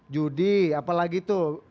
judi apalagi tuh